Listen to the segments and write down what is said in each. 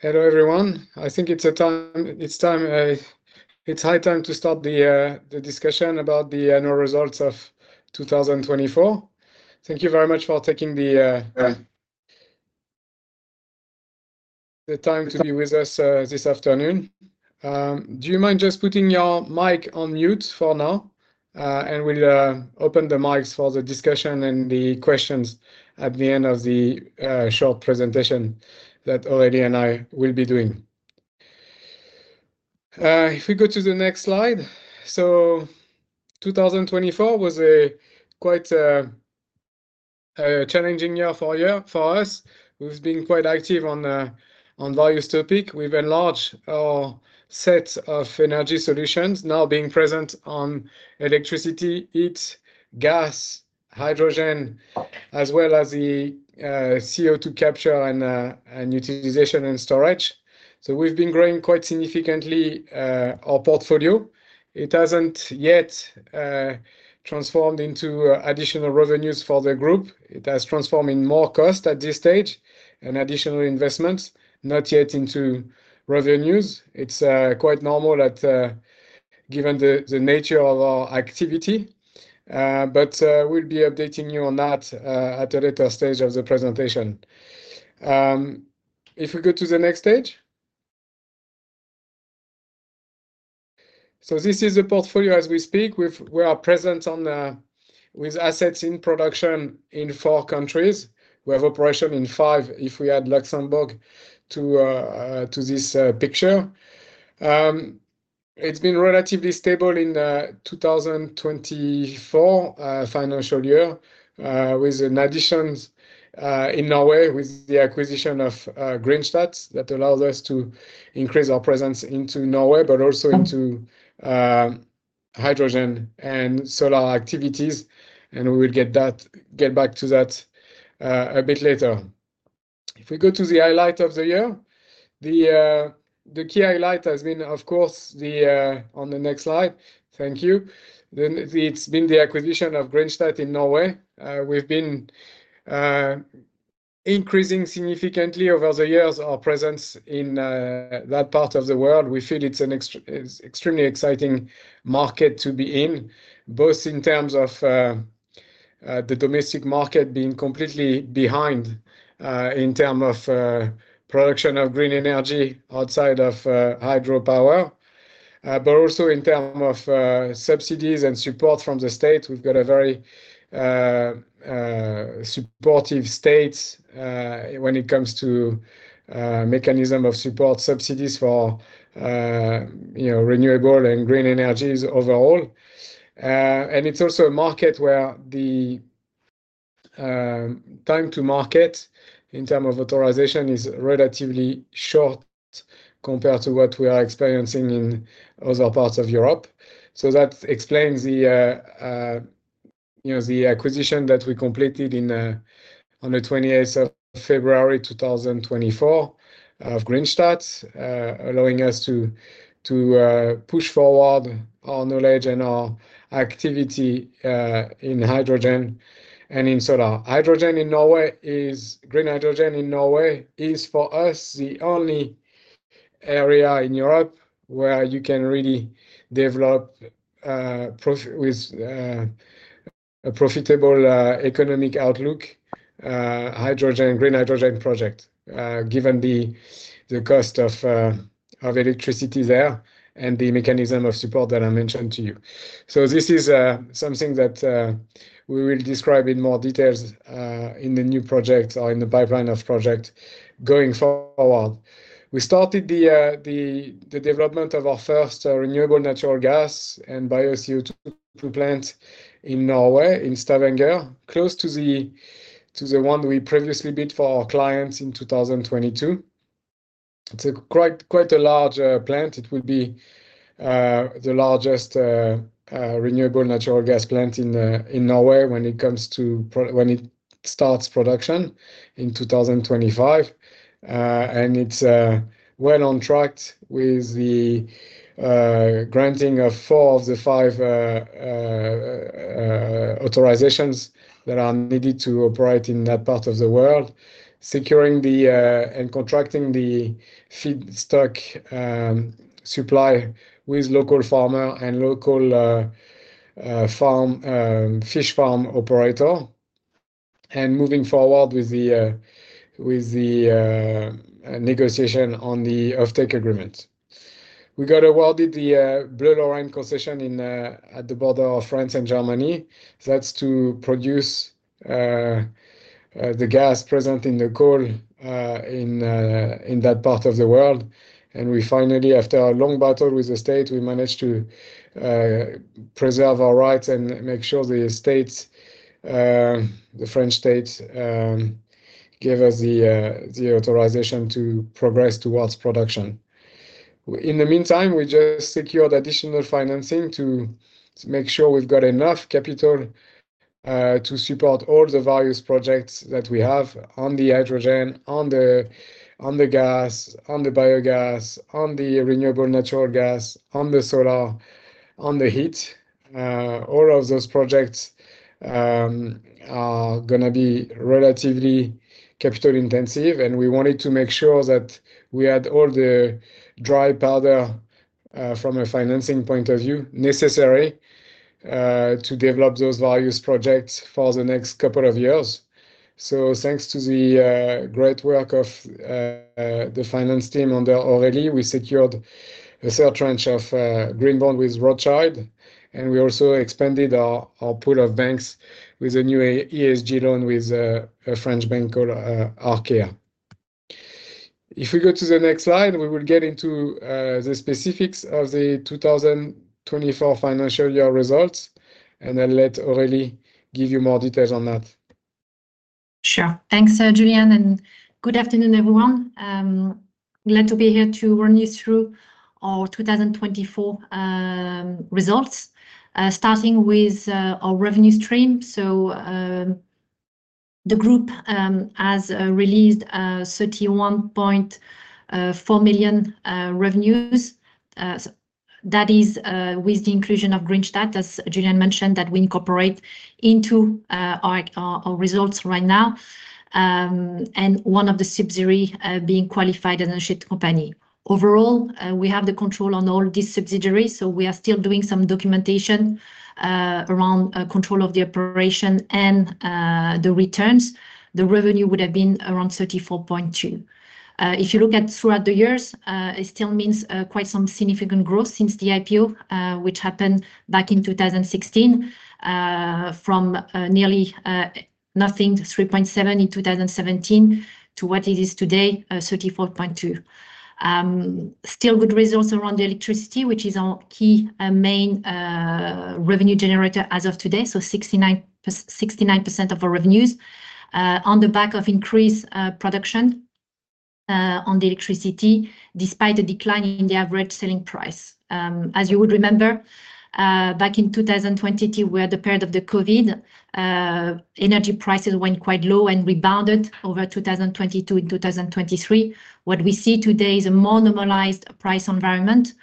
Hello, everyone. I think it's high time to start the discussion about the annual results of 2024. Thank you very much for taking the time to be with us this afternoon. Do you mind just putting your mic on mute for now? And we'll open the mics for the discussion and the questions at the end of the short presentation that Aurélie and I will be doing. If we go to the next slide. So 2024 was a quite challenging year for us. We've been quite active on various topic. We've enlarged our sets of energy solutions, now being present on electricity, heat, gas, hydrogen, as well as the CO₂ capture and utilization and storage. So we've been growing quite significantly our portfolio. It hasn't yet transformed into additional revenues for the group. It has transformed into more costs at this stage and additional investments, not yet into revenues. It's quite normal, given the nature of our activity, but we'll be updating you on that at a later stage of the presentation. If we go to the next stage, this is the portfolio as we speak. We are present in four countries with assets in production. We have operations in five if we add Luxembourg to this picture. It's been relatively stable in 2024 financial year, with additions in Norway, with the acquisition of Greenstat, that allows us to increase our presence into Norway, but also into hydrogen and solar activities, and we will get back to that a bit later. If we go to the highlight of the year. The key highlight has been, of course, the... On the next slide. Thank you. Then it's been the acquisition of Greenstat in Norway. We've been increasing significantly over the years, our presence in that part of the world. We feel it's an extremely exciting market to be in, both in terms of the domestic market being completely behind in terms of production of green energy outside of hydropower, but also in terms of subsidies and support from the state. We've got a very supportive state when it comes to mechanism of support subsidies for you know renewable and green energies overall. And it's also a market where the time to market in terms of authorization is relatively short compared to what we are experiencing in other parts of Europe. So that explains the, you know, the acquisition that we completed in, on the twenty-eighth of February, 2024, of Greenstat, allowing us to push forward our knowledge and our activity in hydrogen and in solar. Hydrogen in Norway is green hydrogen in Norway is, for us, the only area in Europe where you can really develop with a profitable economic outlook hydrogen green hydrogen project given the cost of electricity there and the mechanism of support that I mentioned to you. So this is something that we will describe in more details in the new project or in the pipeline of project going forward. We started the development of our first renewable natural gas and bio CO₂ plant in Norway, in Stavanger, close to the one we previously built for our clients in 2022. It's a quite a large plant. It will be the largest renewable natural gas plant in Norway when it starts production in 2025, and it's well on track with the granting of four of the five authorizations that are needed to operate in that part of the world. Securing and contracting the feedstock supply with local farmer and local fish farm operator, and moving forward with the negotiation on the offtake agreement. We got awarded the Bleue Lorraine concession in at the border of France and Germany. That's to produce the gas present in the coal in that part of the world. And we finally, after a long battle with the state, we managed to preserve our rights and make sure the states, the French states, gave us the authorization to progress towards production. In the meantime, we just secured additional financing to make sure we've got enough capital to support all the various projects that we have on the hydrogen, on the gas, on the Biogas, on the renewable natural gas, on the solar, on the heat.... All of those projects are gonna be relatively capital-intensive, and we wanted to make sure that we had all the dry powder from a financing point of view necessary to develop those various projects for the next couple of years, so thanks to the great work of the finance team under Aurélie, we secured a third tranche of green bond with Rothschild, and we also expanded our pool of banks with a new ESG loan with a French bank called Arkéa. If we go to the next slide, we will get into the specifics of the 2024 financial year results, and I'll let Aurélie give you more details on that. Sure. Thanks, Julien, and good afternoon, everyone. Glad to be here to run you through our 2024 results, starting with our revenue stream. The group has released 31.4 million revenues. That is with the inclusion of Greenstat, as Julien mentioned, that we incorporate into our results right now, and one of the subsidiary being qualified as a joint company. Overall, we have the control on all these subsidiaries, so we are still doing some documentation around control of the operation and the returns. The revenue would have been around 34.2 million. If you look at throughout the years, it still means quite some significant growth since the IPO, which happened back in 2016, from nearly nothing, 3.7 in 2017 to what it is today, 34.2. Still good results around the electricity, which is our key and main revenue generator as of today. So 69, 69% of our revenues on the back of increased production on the electricity, despite a decline in the average selling price. As you would remember, back in 2020, we had the period of the COVID. Energy prices went quite low and rebounded over 2022 and 2023. What we see today is a more normalized price environment.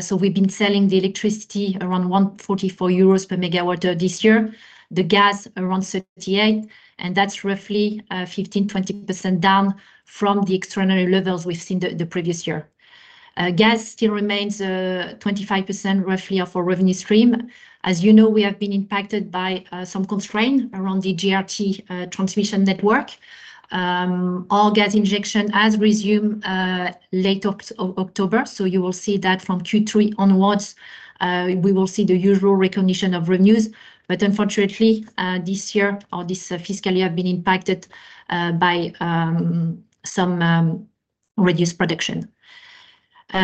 So we've been selling the electricity around 144 euros per megawatt hour this year, the gas around 38, and that's roughly 15%-20% down from the extraordinary levels we've seen the previous year. Gas still remains 25%, roughly, of our revenue stream. As you know, we have been impacted by some constraint around the GRT transmission network. All gas injection has resumed late October, so you will see that from Q3 onwards, we will see the usual recognition of revenues. But unfortunately, this year or this fiscal year have been impacted by some reduced production.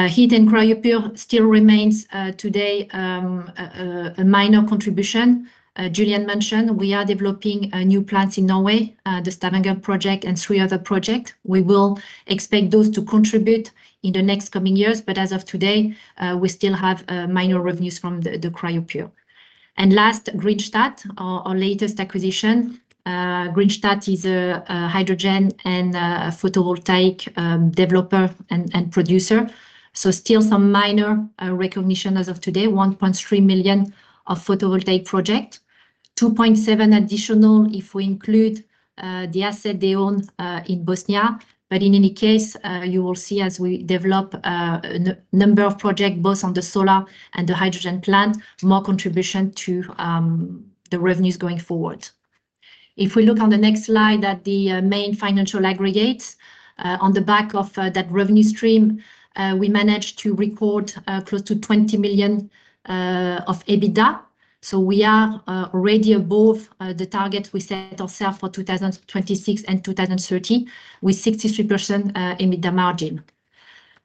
Heat and Cryopure still remains today a minor contribution. Julien mentioned we are developing a new plant in Norway, the Stavanger project and three other project. We will expect those to contribute in the next coming years, but as of today, we still have minor revenues from the Cryo Pur. Last, Greenstat, our latest acquisition. Greenstat is a hydrogen and photovoltaic developer and producer. So still some minor recognition as of today, 1.3 million of photovoltaic project, 2.7 million additional if we include the asset they own in Bosnia. But in any case, you will see as we develop a number of project, both on the solar and the hydrogen plant, more contribution to the revenues going forward. If we look on the next slide at the main financial aggregates, on the back of that revenue stream, we managed to record close to 20 million of EBITDA. We are already above the target we set ourself for 2026 and 2030, with 63% EBITDA margin.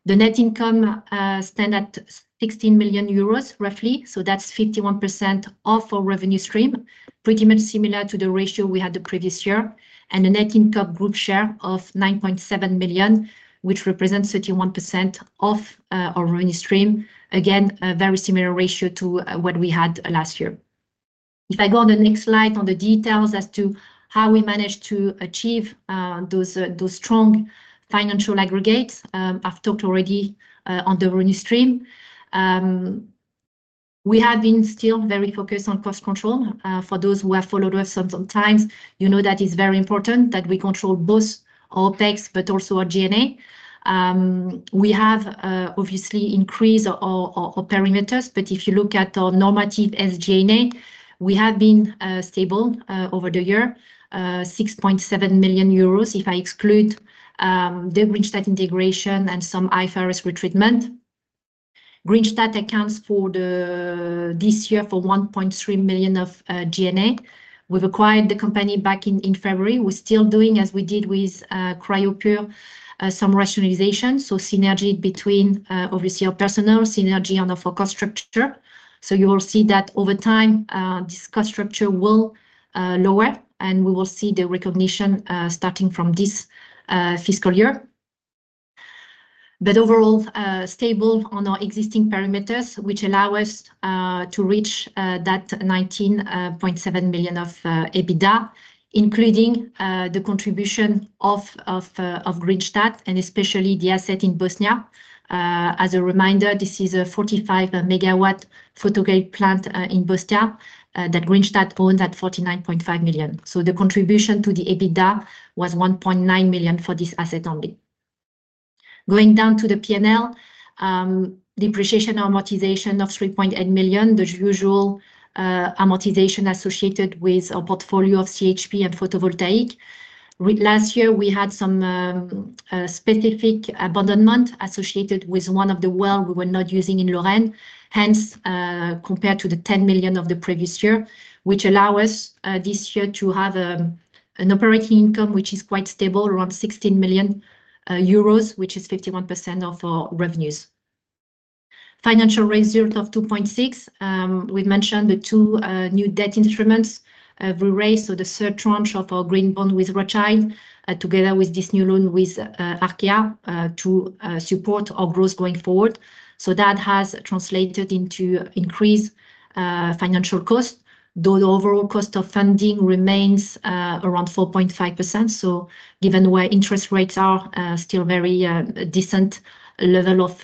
The net income stand at 16 million euros, roughly, so that's 51% of our revenue stream, pretty much similar to the ratio we had the previous year, and a net income group share of 9.7 million, which represents 31% of our revenue stream. Again, a very similar ratio to what we had last year. If I go on the next slide on the details as to how we managed to achieve those strong financial aggregates, I've talked already on the revenue stream. We have been still very focused on cost control. For those who have followed us sometimes, you know that it's very important that we control both OpEx but also our G&A. We have obviously increased our perimeters, but if you look at our normative SG&A, we have been stable over the year, 6.7 million euros, if I exclude the Greenstat integration and some IFRS restatement. Greenstat accounts for this year for 1.3 million of G&A. We've acquired the company back in February. We're still doing as we did with Cryopure some rationalization, so synergy between obviously our personnel, synergy on the cost structure. So you will see that over time this cost structure will lower, and we will see the recognition starting from this fiscal year. But overall, stable on our existing perimeters, which allow us to reach that 19.7 million EUR of EBITDA, including the contribution of Greenstat and especially the asset in Bosnia. As a reminder, this is a 45-megawatt photovoltaic plant in Bosnia that Greenstat owned at 49.5 million EUR. So the contribution to the EBITDA was 1.9 million EUR for this asset only. Going down to the P&L, depreciation amortization of 3.8 million EUR, the usual amortization associated with a portfolio of CHP and photovoltaic. Last year, we had some specific abandonment associated with one of the wells we were not using in Lorraine. Hence, compared to the 10 million of the previous year, which allow us this year to have an operating income, which is quite stable, around 16 million euros, which is 51% of our revenues. Financial result of 2.6. We've mentioned the two new debt instruments we raised, so the third tranche of our green bond with Rothschild & Co together with this new loan with Arkéa to support our growth going forward. So that has translated into increased financial cost, though the overall cost of funding remains around 4.5%. So given where interest rates are, still very decent level of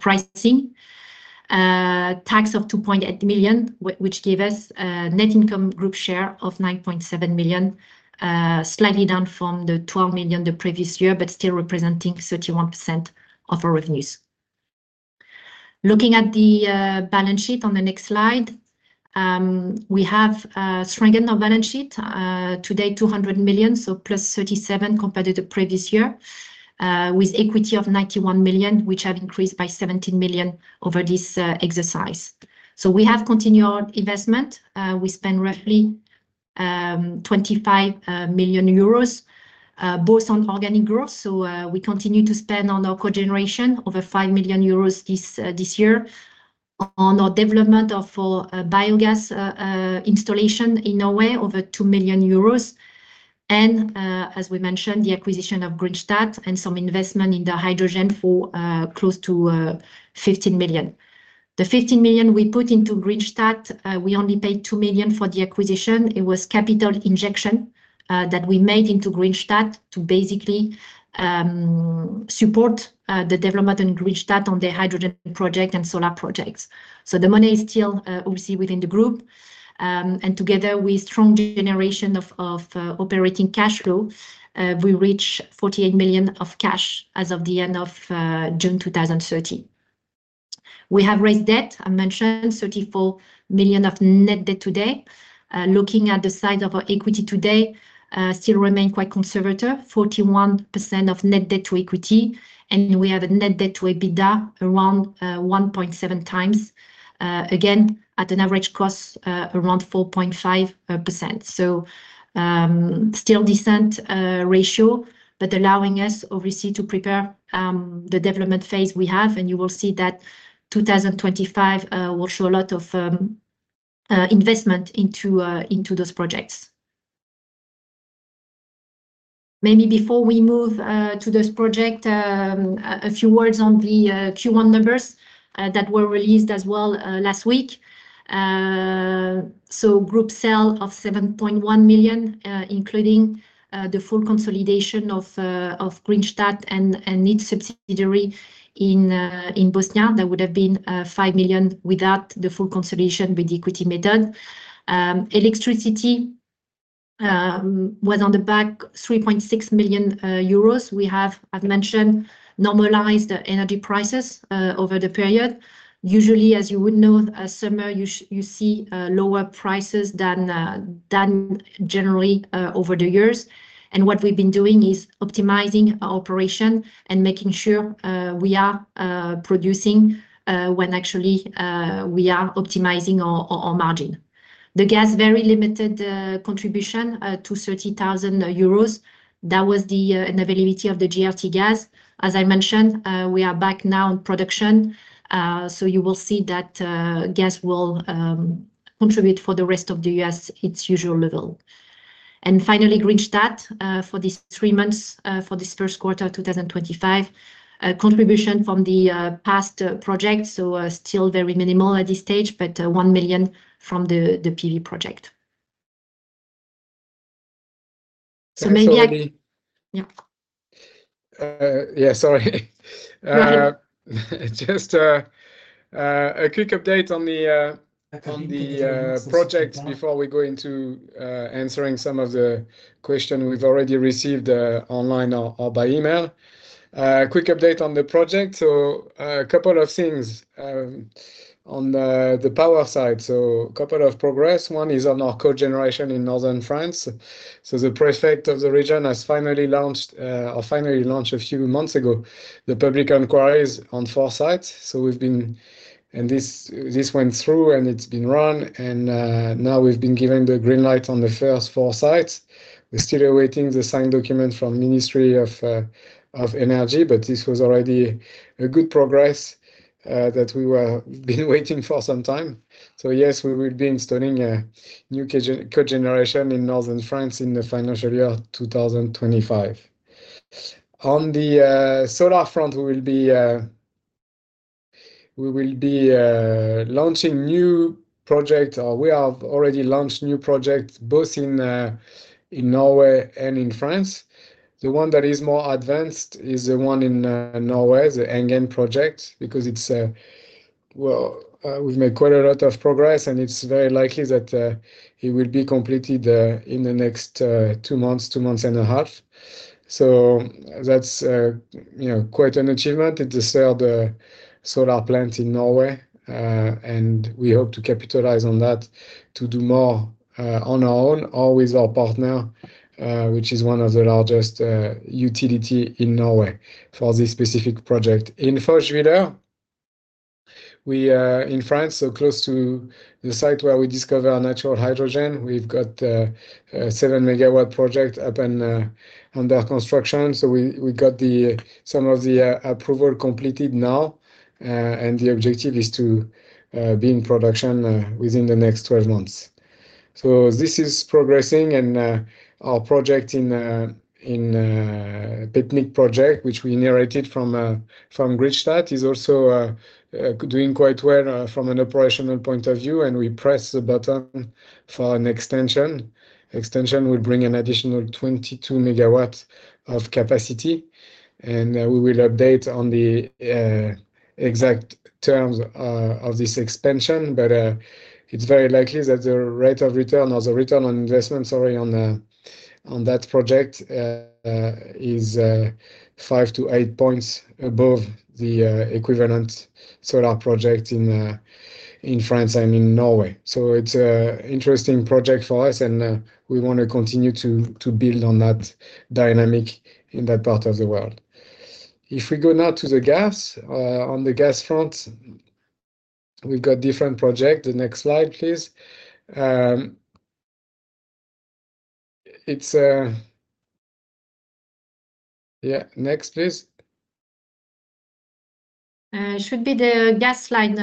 pricing. Tax of 2.8 million, which gave us net income group share of 9.7 million, slightly down from the 12 million the previous year, but still representing 31% of our revenues. Looking at the balance sheet on the next slide, we have strengthened our balance sheet. Today, 200 million, so +37 compared to the previous year, with equity of 91 million, which have increased by 17 million over this exercise. So we have continued our investment. We spend roughly 25 million euros both on organic growth. So we continue to spend on our cogeneration over 5 million euros this year, on our development of our Biogas installation in Norway, over 2 million euros. As we mentioned, the acquisition of Greenstat and some investment in the hydrogen for close to 15 million. The 15 million we put into Greenstat, we only paid 2 million for the acquisition. It was capital injection that we made into Greenstat to basically support the development in Greenstat on the hydrogen project and solar projects. So the money is still obviously within the group, and together with strong generation of operating cash flow, we reach 48 million of cash as of the end of June 2030. We have raised debt. I mentioned 34 million of net debt today. Looking at the size of our equity today, still remain quite conservative, 41% of net debt to equity, and we have a net debt to EBITDA around 1.7 times, again, at an average cost around 4.5%. So, still decent ratio, but allowing us obviously to prepare the development phase we have. You will see that 2025 will show a lot of investment into those projects. Maybe before we move to this project, a few words on the Q1 numbers that were released as well last week. So group sales of 7.1 million, including the full consolidation of Greenstat and its subsidiary in Bosnia, that would have been 5 million without the full consolidation with equity method. Electricity was on the back of 3.6 million euros. We have, I've mentioned, normalized energy prices over the period. Usually, as you would know, in summer you see lower prices than generally over the years. And what we've been doing is optimizing our operation and making sure we are producing when actually we are optimizing our margin. The gas, very limited contribution to 30,000 euros. That was the unavailability of the GRTgas. As I mentioned, we are back now in production, so you will see that gas will contribute for the rest of the year as its usual level. And finally, Greenstat, for these three months, for this first quarter, 2025, contribution from the PV project, so still very minimal at this stage, but 1 million from the PV project. So maybe I-... Yeah. Yeah, sorry. No. Just a quick update on the project before we go into answering some of the questions we've already received online or by email. Quick update on the project. So, a couple of things on the power side. So a couple of progress. One is on our cogeneration in northern France. So the prefect of the region has finally launched a few months ago the public inquiries on four sites. And this went through, and it's been run, and now we've been given the green light on the first four sites. We're still awaiting the signed document from Ministry of Energy, but this was already a good progress that we were waiting for some time. So yes, we will be installing a new cogeneration in northern France in the financial year 2025. On the solar front, we will be launching new project, or we have already launched new projects, both in Norway and in France. The one that is more advanced is the one in Norway, the Engene project, because it's well, we've made quite a lot of progress, and it's very likely that it will be completed in the next two and a half months. So that's, you know, quite an achievement. It's the third solar plant in Norway, and we hope to capitalize on that to do more, on our own or with our partner, which is one of the largest utility in Norway for this specific project. In Faulquemont, we are in France, so close to the site where we discover our natural hydrogen. We've got a seven-megawatt project up and under construction, so we got some of the approval completed now, and the objective is to be in production within the next twelve months. This is progressing, and our project in the Pipemic project, which we inherited from Griegstad, is also doing quite well from an operational point of view, and we press the button for an extension. Extension will bring an additional 22 megawatts of capacity, and we will update on the exact terms of this expansion. But it's very likely that the rate of return or the return on investment, sorry, on that project is five to eight points above the equivalent solar project in France and in Norway. So it's an interesting project for us, and we want to continue to build on that dynamic in that part of the world. If we go now to the gas, on the gas front, we've got different project. The next slide, please. It's... Yeah, next, please. Should be the gas slide,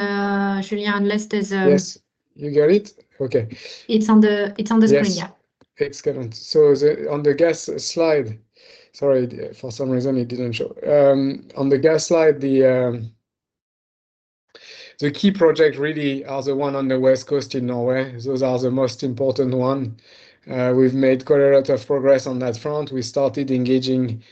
Julien, unless there's a- Yes, you get it? Okay. It's on the screen. Yes. Yeah. Excellent. So, on the gas slide... Sorry, for some reason, it didn't show. On the gas slide, the key project really are the one on the west coast in Norway. Those are the most important one. We've made quite a lot of progress on that front. We started engaging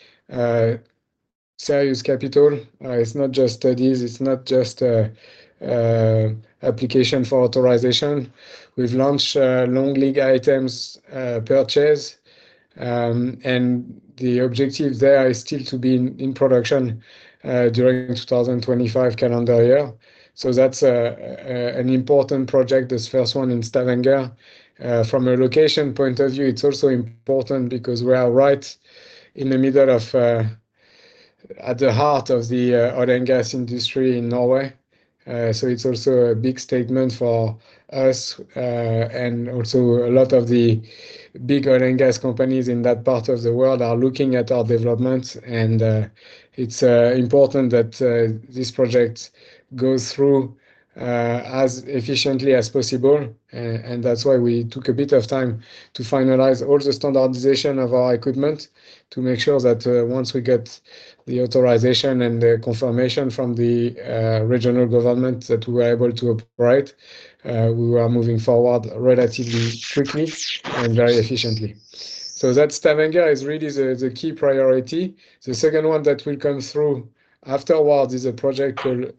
serious capital. It's not just studies, it's not just application for authorization. We've launched long lead items purchase, and the objective there is still to be in production during 2025 calendar year. So that's an important project, this first one in Stavanger. From a location point of view, it's also important because we are right in the middle of at the heart of the oil and gas industry in Norway. So it's also a big statement for us, and also a lot of the big oil and gas companies in that part of the world are looking at our developments, and it's important that this project goes through as efficiently as possible. And that's why we took a bit of time to finalize all the standardization of our equipment, to make sure that once we get the authorization and the confirmation from the regional government, that we are able to operate, we are moving forward relatively quickly and very efficiently. So that Stavanger is really the key priority. The second one that will come through after a while is a project called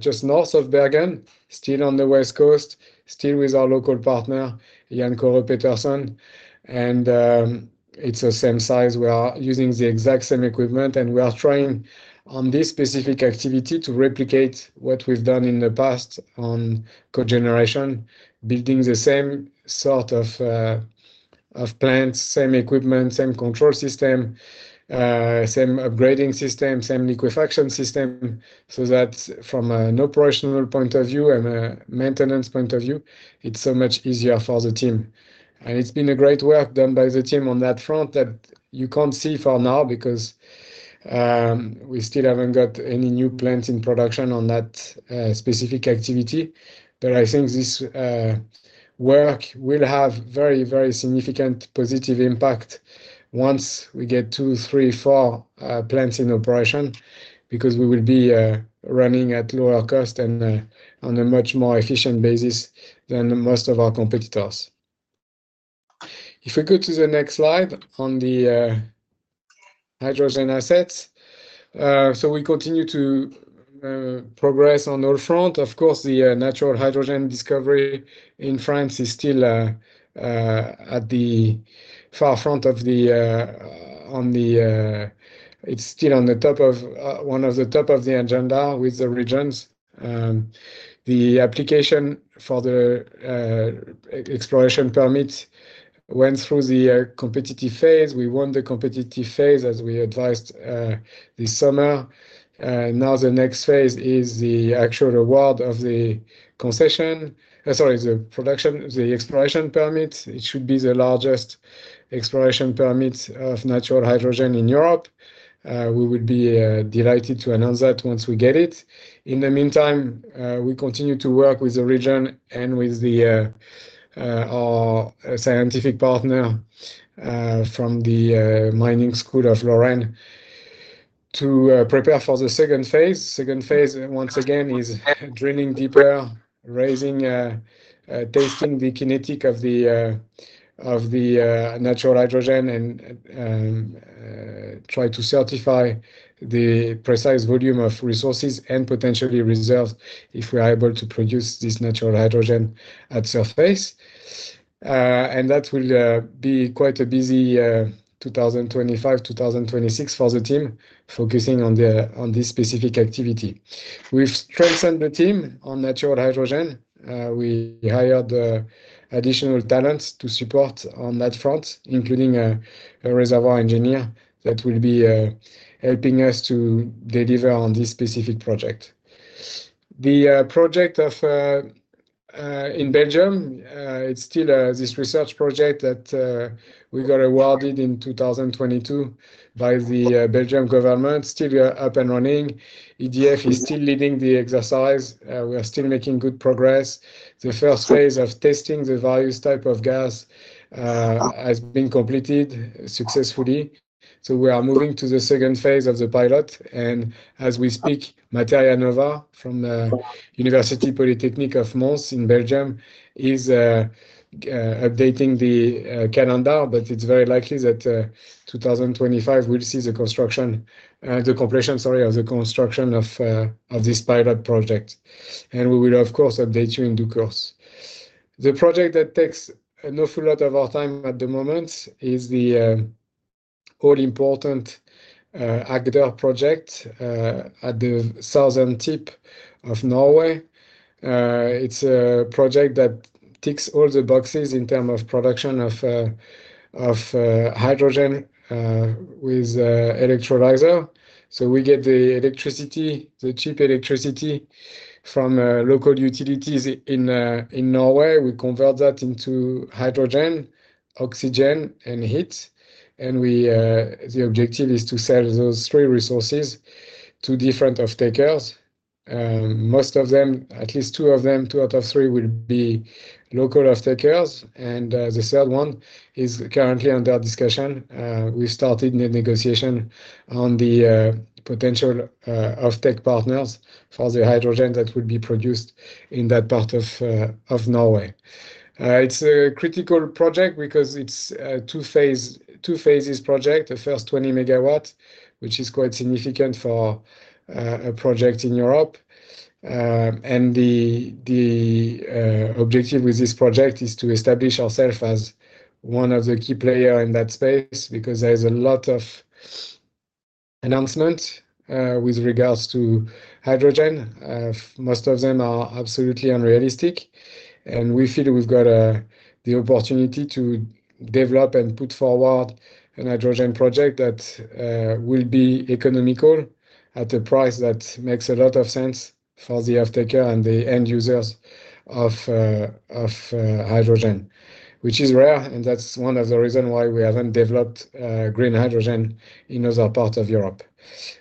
just north of Bergen, still on the west coast, still with our local partner, Jan Kåre Pedersen. And it's the same size. We are using the exact same equipment, and we are trying on this specific activity to replicate what we've done in the past on cogeneration, building the same sort of of plants, same equipment, same control system, same upgrading system, same liquefaction system. So that from an operational point of view and a maintenance point of view, it's so much easier for the team. And it's been a great work done by the team on that front that you can't see for now because we still haven't got any new plants in production on that specific activity. But I think this work will have very, very significant positive impact once we get two, three, four plants in operation, because we will be running at lower cost and on a much more efficient basis than most of our competitors. If we go to the next slide on the hydrogen assets, so we continue to progress on all fronts. Of course, the natural hydrogen discovery in France is still at the forefront. It's still on top of the agenda with the regions. The application for the exploration permit went through the competitive phase. We won the competitive phase, as we advised this summer. Now, the next phase is the actual award of the concession, sorry, the production, the exploration permit. It should be the largest exploration permit of natural hydrogen in Europe. We would be delighted to announce that once we get it. In the meantime, we continue to work with the region and with our scientific partner from the Mining School of Lorraine to prepare for the second phase. Second phase, once again, is drilling deeper, raising, testing the kinetic of the natural hydrogen and try to certify the precise volume of resources and potentially reserves if we are able to produce this natural hydrogen at surface. And that will be quite a busy 2025, 2026 for the team, focusing on this specific activity. We've strengthened the team on natural hydrogen. We hired additional talents to support on that front, including a reservoir engineer that will be helping us to deliver on this specific project. The project in Belgium is still this research project that we got awarded in 2022 by the Belgian government. Still, we are up and running. EDF is still leading the exercise. We are still making good progress. The first phase of testing the various type of gas has been completed successfully, so we are moving to the second phase of the pilot. And as we speak, Materia Nova, from University of Mons in Belgium, is updating the calendar, but it's very likely that 2025, we'll see the construction, the completion, sorry, of the construction of this pilot project. And we will, of course, update you in due course. The project that takes an awful lot of our time at the moment is the all-important Agder project at the southern tip of Norway. It's a project that ticks all the boxes in terms of production of hydrogen with electrolyzer. So we get the electricity, the cheap electricity from local utilities in Norway. We convert that into hydrogen, oxygen, and heat, and the objective is to sell those three resources to different off-takers. Most of them, at least two of them, two out of three, will be local off-takers, and the third one is currently under discussion. We started a negotiation on the potential offtake partners for the hydrogen that would be produced in that part of Norway. It's a critical project because it's a two-phase project. The first twenty megawatt, which is quite significant for a project in Europe, and the objective with this project is to establish ourself as one of the key player in that space, because there's a lot of announcement with regards to hydrogen. Most of them are absolutely unrealistic, and we feel we've got the opportunity to develop and put forward a hydrogen project that will be economical at a price that makes a lot of sense for the off-taker and the end users of hydrogen. Which is rare, and that's one of the reasons why we haven't developed green hydrogen in other parts of Europe.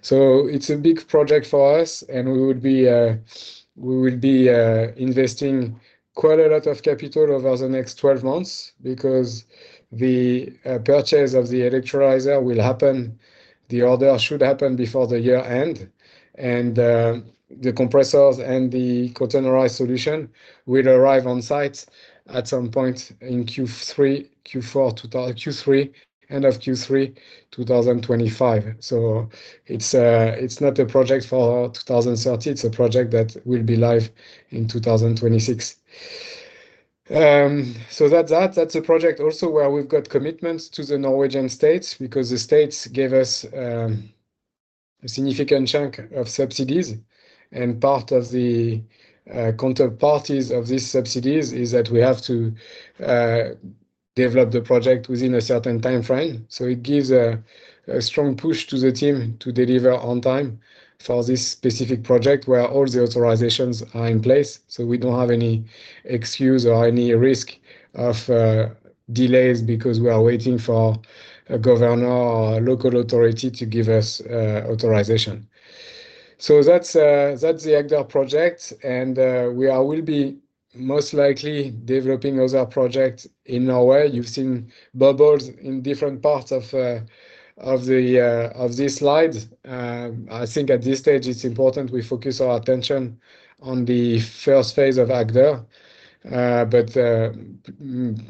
So it's a big project for us, and we would be, we will be, investing quite a lot of capital over the next twelve months because the, purchase of the electrolyzer will happen. The order should happen before the year end, and, the compressors and the containerized solution will arrive on site at some point in Q3, end of Q3, 2025. So it's, it's not a project for 2030. It's a project that will be live in 2026 So that's that. That's a project also where we've got commitments to the Norwegian states because the states gave us, a significant chunk of subsidies, and part of the, counterparties of these subsidies is that we have to, develop the project within a certain time frame. So it gives a strong push to the team to deliver on time for this specific project, where all the authorizations are in place. So we don't have any excuse or any risk of delays because we are waiting for a governor or a local authority to give us authorization. So that's the Agder project, and we will be most likely developing other projects in Norway. You've seen bubbles in different parts of this slide. I think at this stage, it's important we focus our attention on the first phase of Agder. But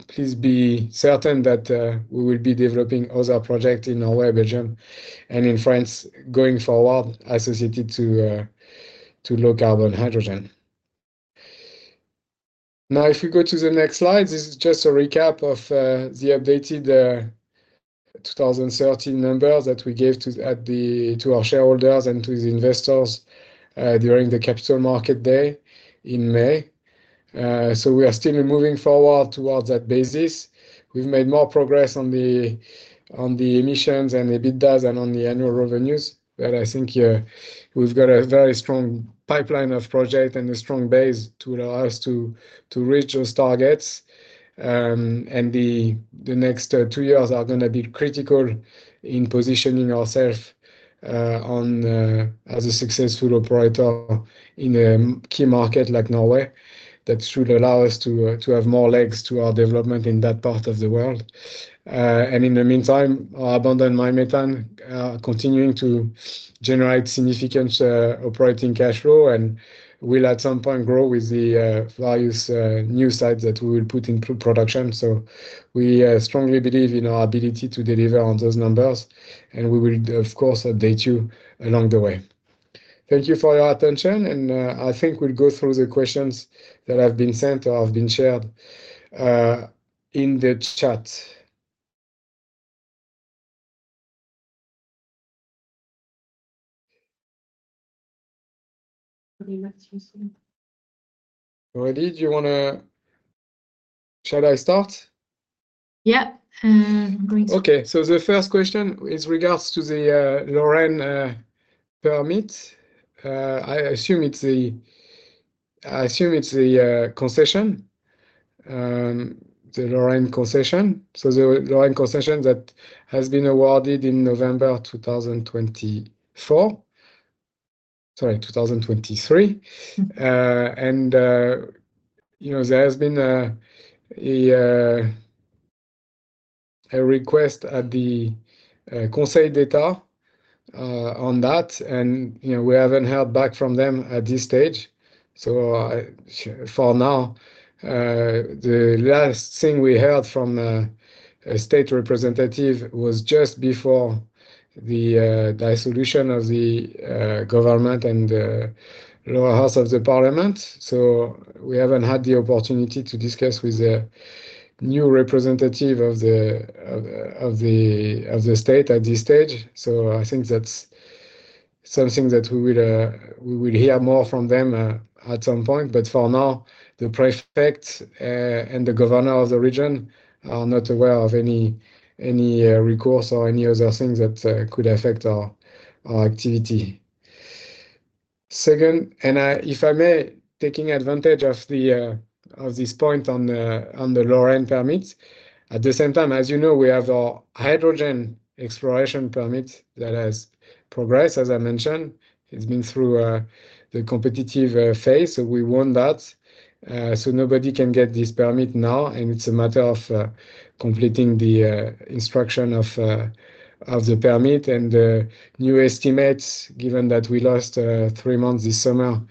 please be certain that we will be developing other projects in Norway, Belgium, and in France going forward associated to low-carbon hydrogen. Now, if we go to the next slide, this is just a recap of the updated 2013 numbers that we gave to our shareholders and to the investors during the Capital Market Day in May. So we are still moving forward towards that basis. We've made more progress on the emissions and the EBITDAs and on the annual revenues, but I think we've got a very strong pipeline of projects and a strong base to allow us to reach those targets. And the next two years are gonna be critical in positioning ourselves on as a successful operator in a key market like Norway. That should allow us to have more legs to our development in that part of the world. In the meantime, our abandoned mine methane continuing to generate significant operating cash flow and will at some point grow with the various new sites that we will put into production. We strongly believe in our ability to deliver on those numbers, and we will, of course, update you along the way. Thank you for your attention, and I think we'll go through the questions that have been sent or have been shared in the chat. Ready, do you wanna-- Should I start? Yeah. Great. Okay. So the first question is regards to the Bleue Lorraine permit. I assume it's the concession, the Bleue Lorraine concession. So the Bleue Lorraine concession that has been awarded in November of 2024. Sorry, 2023. And you know, there has been a request at the Conseil d'État on that, and you know, we haven't heard back from them at this stage. So for now, the last thing we heard from a state representative was just before the dissolution of the government and the lower house of the parliament. So we haven't had the opportunity to discuss with the new representative of the state at this stage. So I think that's something that we will hear more from them at some point. But for now, the prefect and the governor of the region are not aware of any recourse or any other things that could affect our activity. Second, if I may, taking advantage of this point on the Lorraine permits. At the same time, as you know, we have our hydrogen exploration permit that has progressed. As I mentioned, it's been through the competitive phase, so we won that. So nobody can get this permit now, and it's a matter of completing the instruction of the permit and new estimates, given that we lost three months this summer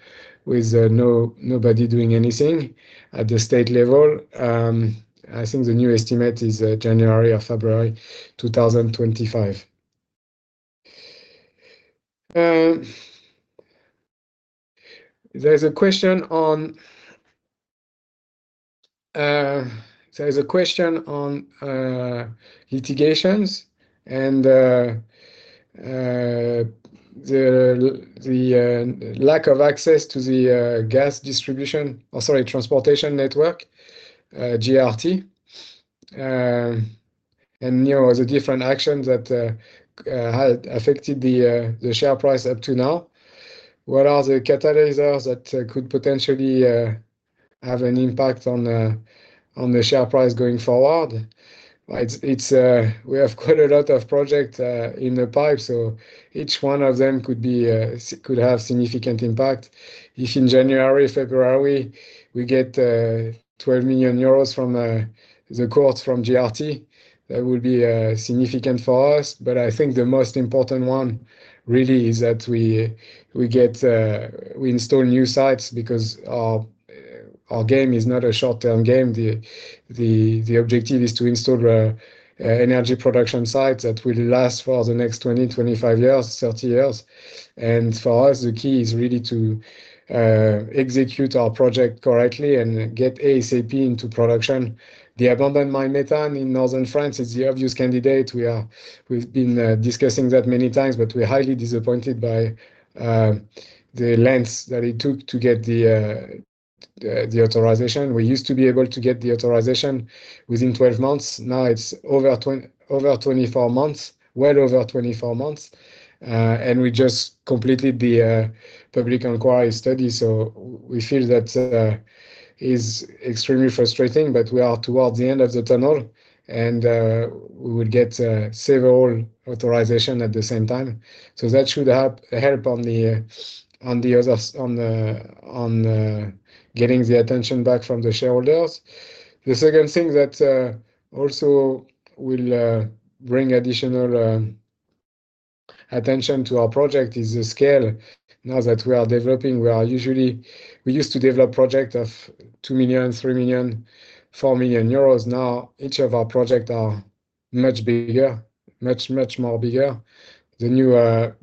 with nobody doing anything at the state level. I think the new estimate is January or February 2025. There is a question on litigation and the lack of access to the gas distribution or sorry, transportation network, GRT. And, you know, the different actions that affected the share price up to now. What are the catalysts that could potentially have an impact on the share price going forward? Well, we have quite a lot of projects in the pipeline, so each one of them could have significant impact. If in January, February, we get 12 million euros from the court from GRT, that would be significant for us. But I think the most important one really is that we install new sites because our game is not a short-term game. The objective is to install the energy production sites that will last for the next 20, 25 years, 30 years. And for us, the key is really to execute our project correctly and get ASAP into production. The abandoned mine methane in northern France is the obvious candidate. We've been discussing that many times, but we're highly disappointed by the length that it took to get the authorization. We used to be able to get the authorization within 12 months. Now it's over 24 months. Over 24 months, and we just completed the public inquiry study, so we feel that is extremely frustrating, but we are towards the end of the tunnel, and we will get several authorization at the same time. So that should help on the others, getting the attention back from the shareholders. The second thing that also will bring additional attention to our project is the scale. Now that we are developing, we used to develop project of 2 million, 3 million, 4 million euros. Now, each of our project are much bigger, much more bigger. The new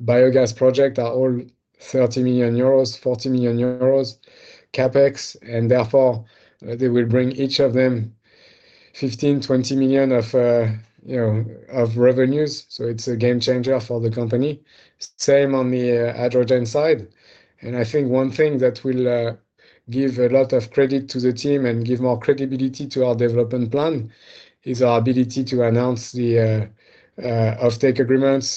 Biogas project are all 30 million euros, 40 million euros CapEx, and therefore, they will bring each of them 15 million, 20 million of, you know, revenues. So it's a game changer for the company. Same on the hydrogen side, and I think one thing that will give a lot of credit to the team and give more credibility to our development plan is our ability to announce the offtake agreements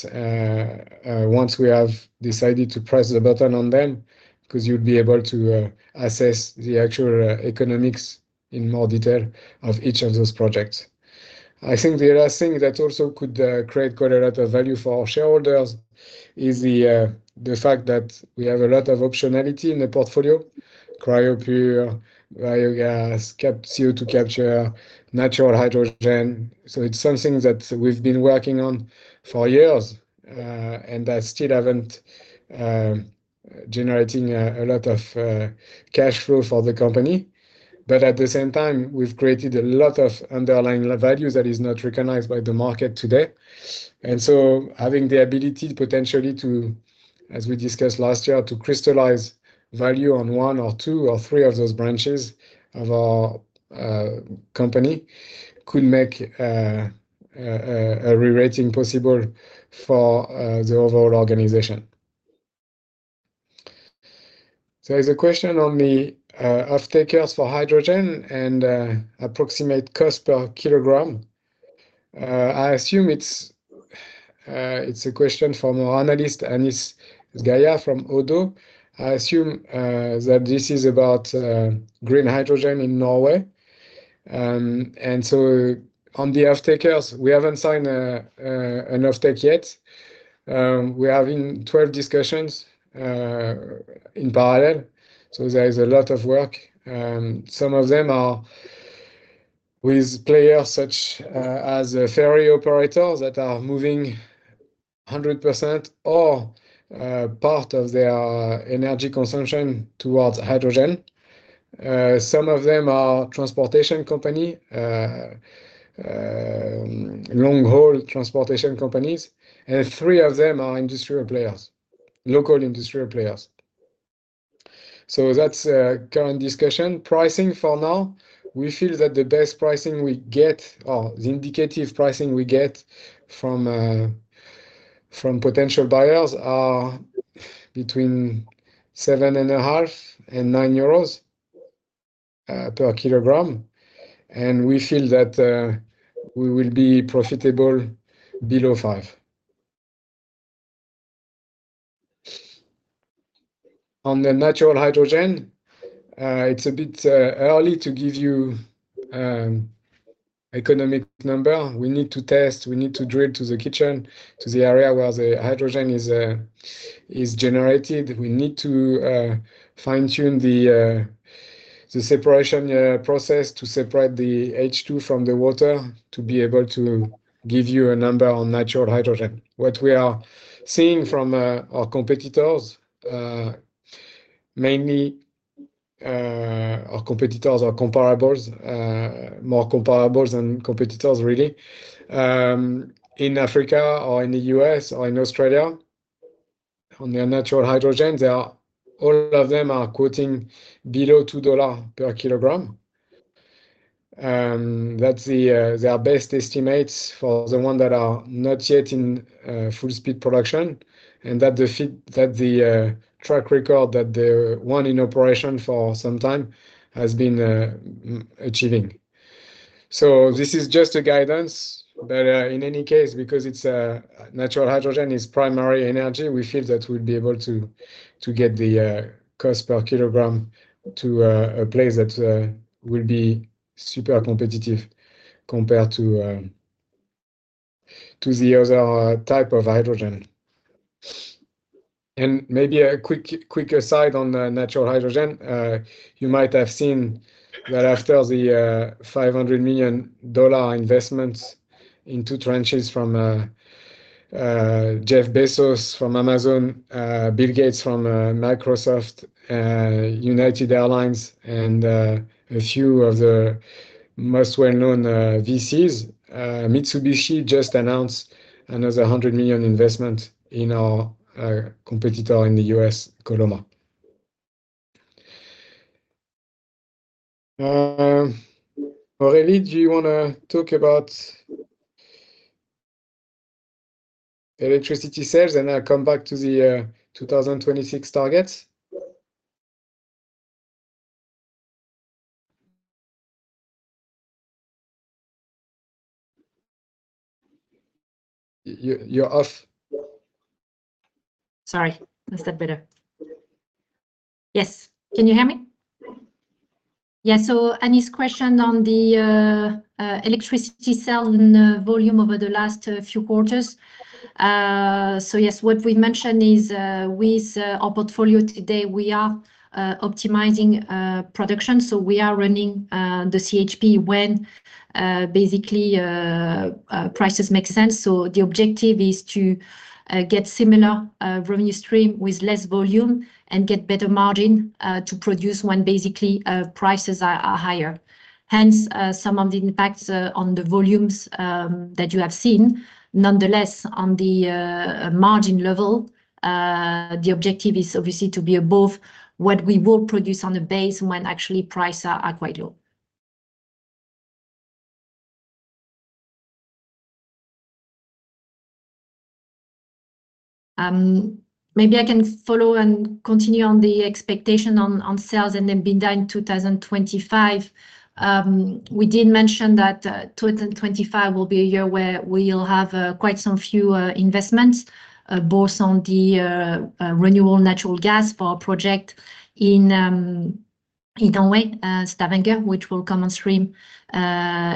once we have decided to press the button on them, 'cause you'd be able to assess the actual economics in more detail of each of those projects. I think the last thing that also could create quite a lot of value for our shareholders is the fact that we have a lot of optionality in the portfolio. Cryo Pur, Biogas, CAP, CO2 capture, natural hydrogen. So it's something that we've been working on for years, and that still haven't generating a lot of cash flow for the company. But at the same time, we've created a lot of underlying values that is not recognized by the market today. And so having the ability potentially to, as we discussed last year, to crystallize value on one or two or three of those branches of our company, could make a re-rating possible for the overall organization. There is a question on the offtakers for hydrogen and approximate cost per kilogram. I assume it's a question from our analyst, Anis Ghaoui, from Oddo. I assume that this is about green hydrogen in Norway. And so on the offtakers, we haven't signed an offtake yet. We're having twelve discussions in parallel, so there is a lot of work, and some of them are with players such as ferry operators that are moving 100% or part of their energy consumption towards hydrogen. Some of them are transportation company long-haul transportation companies, and three of them are industrial players, local industrial players. So that's a current discussion. Pricing for now, we feel that the best pricing we get or the indicative pricing we get from potential buyers are between 7.5-9 euros per kilogram, and we feel that we will be profitable below 5. On the natural hydrogen, it's a bit early to give you economic number. We need to test, we need to drill to the kitchen, to the area where the hydrogen is generated. We need to fine-tune the separation process to separate the H2 from the water, to be able to give you a number on natural hydrogen. What we are seeing from our competitors, mainly, our competitors are comparables, more comparables than competitors, really. In Africa or in the US or in Australia, on their natural hydrogen, they are all of them quoting below $2 per kilogram. That's their best estimates for the ones that are not yet in full speed production, and the fact that the track record that the one in operation for some time has been achieving. So this is just a guidance, but in any case, because it's a natural hydrogen, it's primary energy, we feel that we'll be able to get the cost per kilogram to a place that will be super competitive compared to the other type of hydrogen. And maybe a quick aside on the natural hydrogen. You might have seen that after the $500 million investment in two tranches from Jeff Bezos from Amazon, Bill Gates from Microsoft, United Airlines, and a few of the most well-known VCs, Mitsubishi just announced another $100 million investment in our competitor in the US, Koloma. Aurélie, do you wanna talk about electricity sales, and I'll come back to the 2026 targets? You're off. Sorry, is that better? Yes. Can you hear me? Yeah. So Anis's question on the electricity sales and volume over the last few quarters. So yes, what we mentioned is, with our portfolio today, we are optimizing production. So we are running the CHP when basically prices make sense. So the objective is to get similar revenue stream with less volume and get better margin to produce when basically prices are higher. Hence, some of the impacts on the volumes that you have seen. Nonetheless, on the margin level, the objective is obviously to be above what we will produce on a base when actually prices are quite low. Maybe I can follow and continue on the expectation on sales and then EBITDA in 2025. We did mention that 2025 will be a year where we'll have quite some few investments both on the renewable natural gas for our project in Stavanger, which will come on stream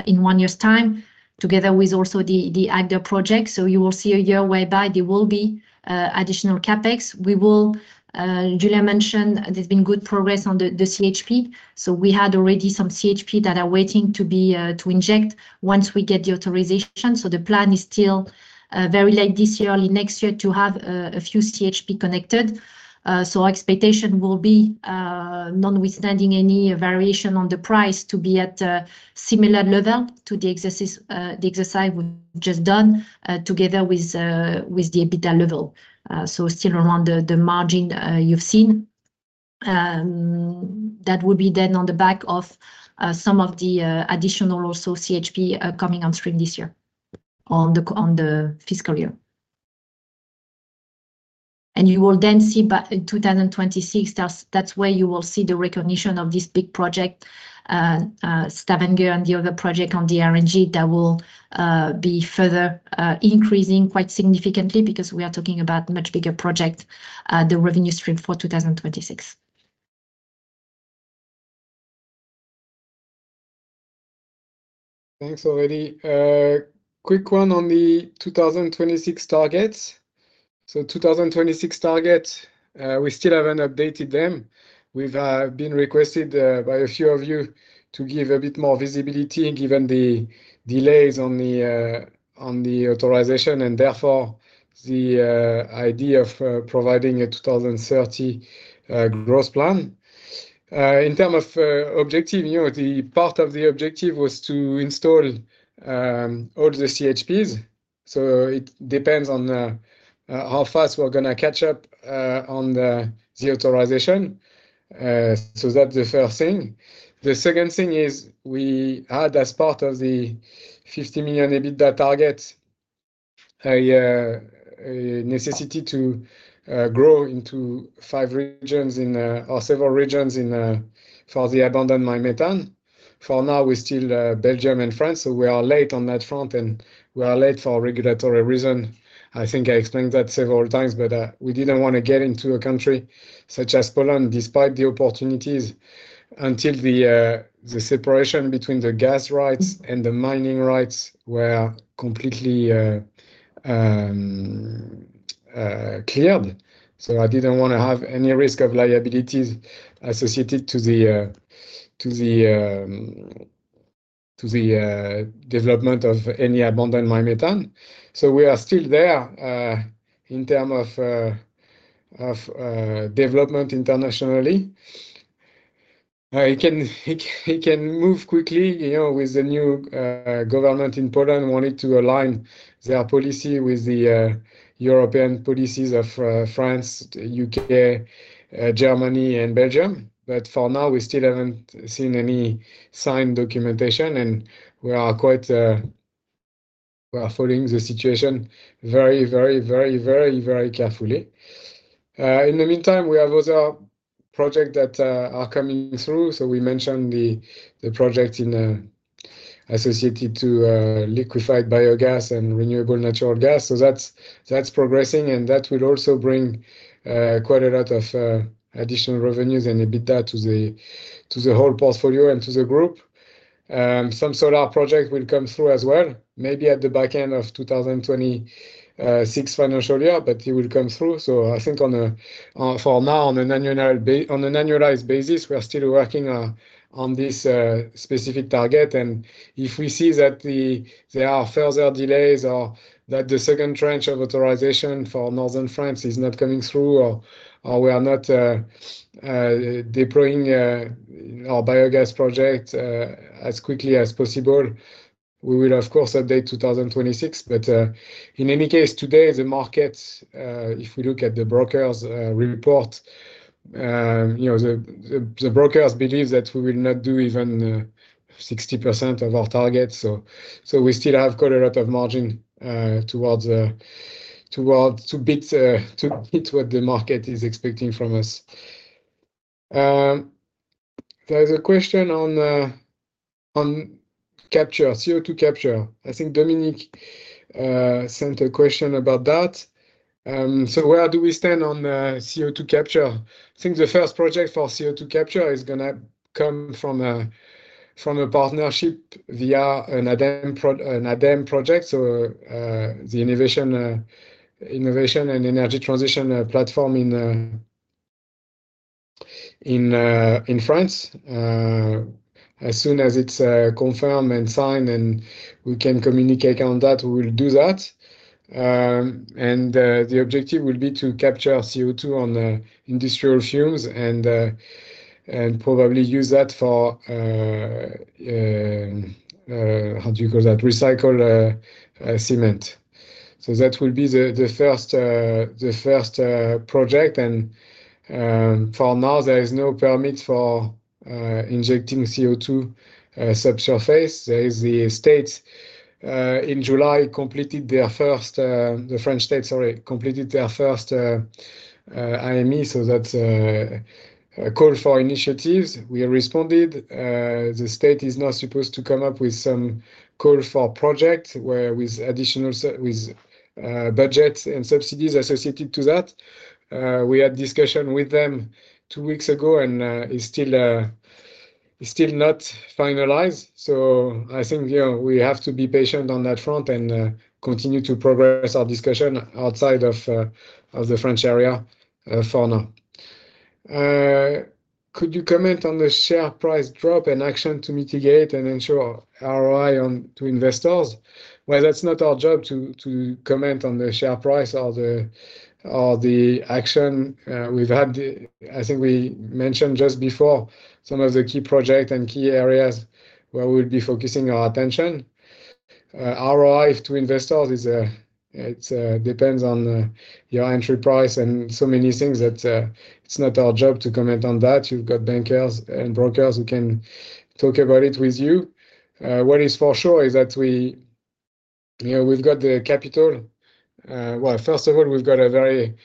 in one year's time, together with also the Agder project, so you will see a year whereby there will be additional CapEx. We will, Julien mentioned there's been good progress on the CHP, so we had already some CHP that are waiting to be to inject once we get the authorization, so the plan is still very late this year, early next year, to have a few CHP connected. So our expectation will be, notwithstanding any variation on the price to be at a similar level to the exercise we've just done, together with the EBITDA level. So still around the margin you've seen. That would be then on the back of some of the additional also CHP coming on stream this year, on the fiscal year. You will then see back in 2026. That's where you will see the recognition of this big project, Stavanger and the other project on the RNG that will be further increasing quite significantly, because we are talking about much bigger project, the revenue stream for 2026. Thanks, Aurélie. Quick one on the 2026 targets. So 2026 targets, we still haven't updated them. We've been requested by a few of you to give a bit more visibility, given the delays on the authorization, and therefore, the idea of providing a 2030 growth plan. In terms of objective, you know, the part of the objective was to install all the CHPs. So it depends on how fast we're gonna catch up on the authorization. So that's the first thing. The second thing is, we had, as part of the fifty million EBITDA target, a necessity to grow into five regions or several regions for the abandoned mine methane. For now, we're still Belgium and France, so we are late on that front, and we are late for regulatory reason. I think I explained that several times, but we didn't want to get into a country such as Poland, despite the opportunities, until the separation between the gas rights and the mining rights were completely cleared. So I didn't want to have any risk of liabilities associated to the development of any Abandoned Mine Methane. So we are still there in term of development internationally. It can move quickly, you know, with the new government in Poland wanting to align their policy with the European policies of France, UK, Germany, and Belgium. But for now, we still haven't seen any signed documentation, and we are quite, we are following the situation very carefully. In the meantime, we have other project that are coming through. So we mentioned the project associated to liquefied Biogas and renewable natural gas. So that's progressing, and that will also bring quite a lot of additional revenues and EBITDA to the whole portfolio and to the group. Some solar projects will come through as well, maybe at the back end of 2026 financial year, but it will come through. So I think on a for now, on an annualized basis, we are still working on this specific target. And if we see that the... There are further delays or that the second tranche of authorization for Northern France is not coming through, or we are not deploying our Biogas project as quickly as possible. We will, of course, update 2026. But in any case, today, the market, if we look at the brokers' report, you know, the brokers believe that we will not do even 60% of our target. So we still have quite a lot of margin towards to beat what the market is expecting from us. There is a question on capture, CO2 capture. I think Dominic sent a question about that. So where do we stand on CO2 capture? I think the first project for CO2 capture is gonna come from a partnership via an ADEME project, so the innovation and energy transition platform in France. As soon as it's confirmed and signed, and we can communicate on that, we will do that. The objective will be to capture CO2 on the industrial fumes and probably use that for, how do you call that, recycled cement. That will be the first project, and for now, there is no permit for injecting CO2 subsurface. The state in July completed their first AMI, so that's a call for initiatives. We responded. The state is now supposed to come up with some call for project, where with additional budgets and subsidies associated to that. We had discussion with them two weeks ago, and it's still not finalized. I think, you know, we have to be patient on that front and continue to progress our discussion outside of the French area for now. Could you comment on the share price drop and action to mitigate and ensure ROI on to investors? That's not our job to comment on the share price or the action. I think we mentioned just before some of the key project and key areas where we'll be focusing our attention. ROI to investors is, it depends on your entry price and so many things that it's not our job to comment on that. You've got bankers and brokers who can talk about it with you. What is for sure is that we, you know, we've got the capital. Well, first of all, we've got a very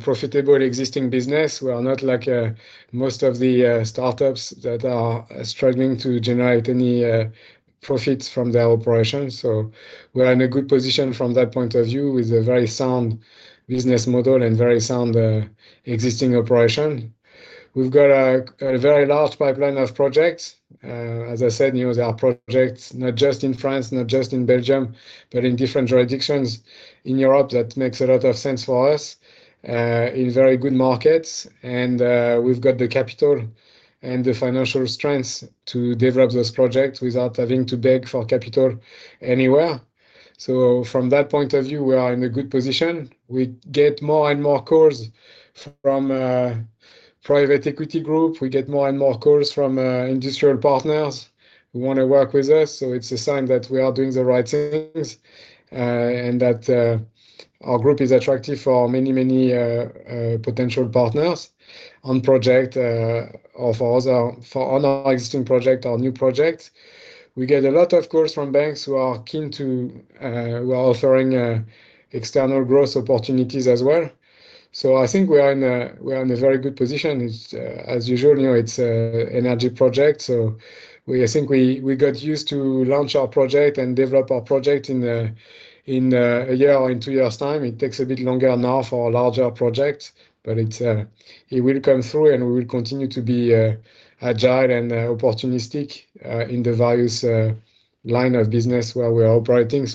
profitable existing business. We are not like most of the startups that are struggling to generate any profits from their operations. So we are in a good position from that point of view, with a very sound business model and very sound existing operation. We've got a very large pipeline of projects. As I said, you know, there are projects not just in France, not just in Belgium, but in different jurisdictions in Europe. That makes a lot of sense for us in very good markets, and we've got the capital and the financial strengths to develop those projects without having to beg for capital anywhere. So from that point of view, we are in a good position. We get more and more calls from private equity group. We get more and more calls from industrial partners who want to work with us, so it's a sign that we are doing the right things, and that our group is attractive for many, many potential partners on project, or for other existing project or new projects. We get a lot of calls from banks who are offering external growth opportunities as well. So I think we are in a very good position. It's, as usual, you know, it's a energy project, so I think we got used to launch our project and develop our project in a year or in two years' time. It takes a bit longer now for a larger project, but it will come through, and we will continue to be agile and opportunistic in the various line of business where we are operating.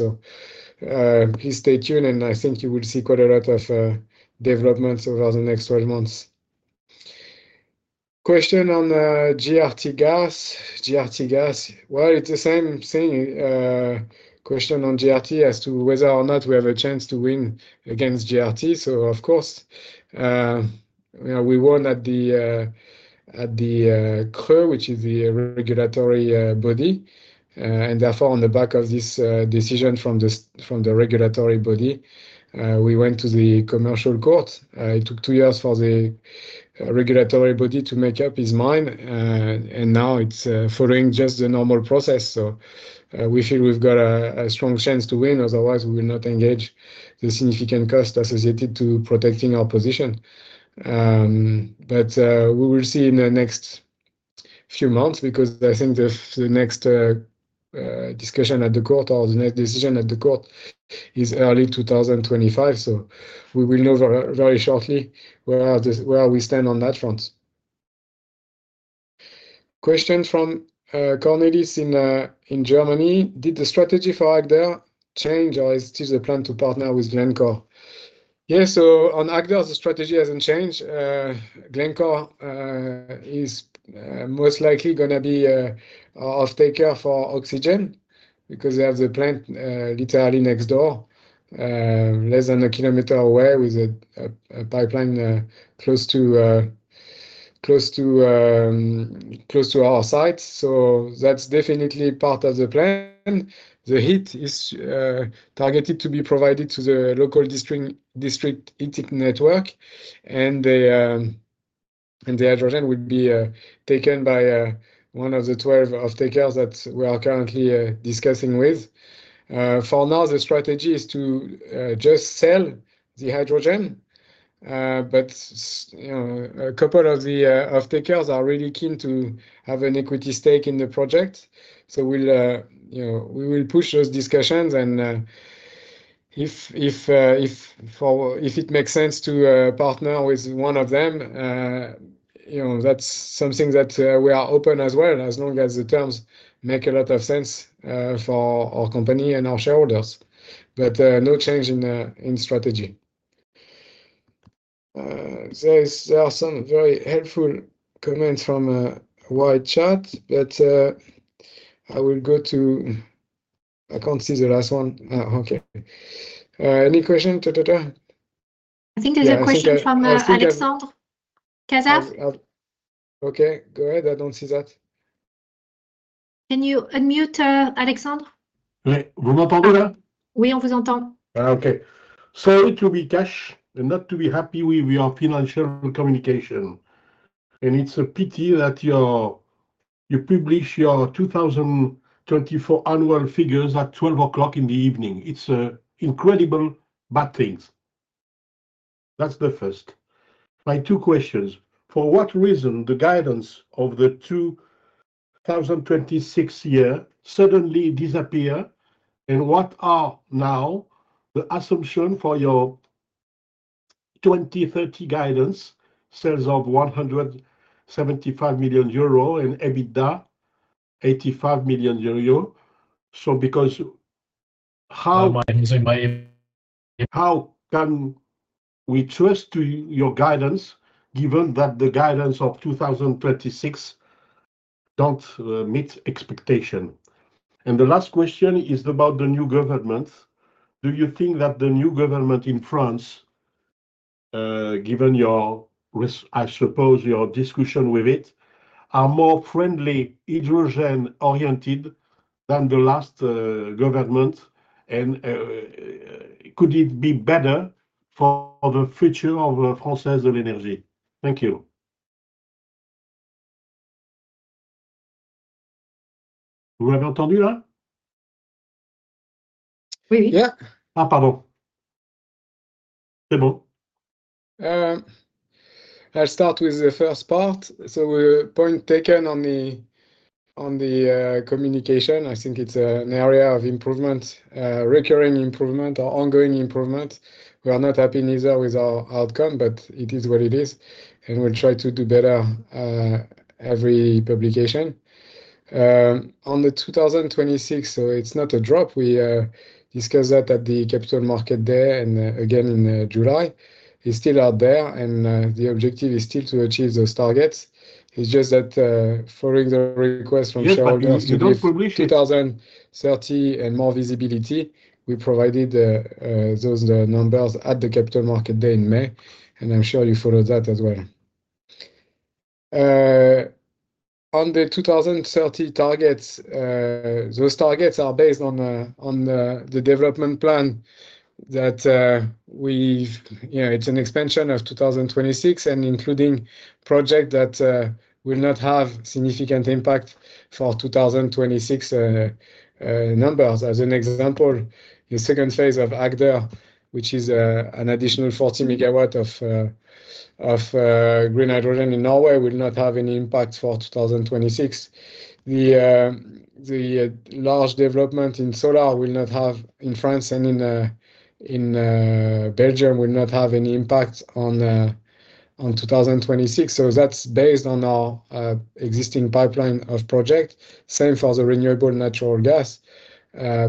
Please stay tuned, and I think you will see quite a lot of developments over the next 12 months. Question on GRTgas. GRTgas, well, it's the same thing, question on GRT as to whether or not we have a chance to win against GRT. So of course, you know, we won at the CRE, which is the regulatory body, and therefore, on the back of this decision from the regulatory body, we went to the commercial court. It took two years for the regulatory body to make up his mind, and now it's following just the normal process. So we feel we've got a strong chance to win, otherwise we will not engage the significant cost associated to protecting our position. But we will see in the next few months because I think the next discussion at the court or the next decision at the court is early 2025. So we will know very, very shortly where we stand on that front. Question from Cornelius in Germany: Did the strategy for Agder change, or is it still the plan to partner with Glencore? Yeah, so on Agder, the strategy hasn't changed. Glencore is most likely gonna be a off-taker for oxygen because they have the plant literally next door, less than a kilometer away, with a pipeline close to our site. So that's definitely part of the plan. The heat is targeted to be provided to the local district heating network, and the hydrogen will be taken by one of the twelve off-takers that we are currently discussing with. For now, the strategy is to just sell the hydrogen, but you know, a couple of the off-takers are really keen to have an equity stake in the project. So we'll you know, we will push those discussions, and if it makes sense to partner with one of them, you know, that's something that we are open as well, as long as the terms make a lot of sense for our company and our shareholders. But no change in strategy. There are some very helpful comments from wide chat, but I will go to... I can't see the last one. Okay. Any question, operator? I think there's a question from Alexandre Cazières. Okay, go ahead. I don't see that. Can you unmute, Alessandro? Right. We obviously don't. Okay. Sorry to be harsh and not to be happy with your financial communication, and it's a pity that you publish your 2024 annual figures at 12:00 A.M. It's incredible bad things. That's the first. My two questions: For what reason the guidance of the 2026 year suddenly disappear? And what are now the assumption for your twenty thirty guidance, sales of 175 million euro and EBITDA 85 million euro. So how can we trust to your guidance, given that the guidance of 2026 don't meet expectation? And the last question is about the new government. Do you think that the new government in France, given your recent discussion with it, are more friendly, hydrogen-oriented than the last government, and could it be better for the future of Française de l'Énergie? Thank you. You have understood that? Oui. Yeah. Pardon. C'est bon. I'll start with the first part. So point taken on the communication. I think it's an area of improvement, recurring improvement or ongoing improvement. We are not happy neither with our outcome, but it is what it is, and we'll try to do better every publication. On the 2026, so it's not a drop. We discussed that at the capital market there, and again, in July. It's still out there, and the objective is still to achieve those targets. It's just that, following the request from shareholders- Yes, but you don't publish it. 2030 and more visibility, we provided those numbers at the capital market day in May, and I'm sure you followed that as well. On the 2030 targets, those targets are based on the development plan that we... You know, it's an expansion of 2026 and including project that will not have significant impact for 2026 numbers. As an example, the second phase of Agder, which is an additional 40 megawatts of green hydrogen in Norway, will not have any impact for 2026. The large development in solar will not have in France and in Belgium, will not have any impact on 2026. So that's based on our existing pipeline of project. Same for the renewable natural gas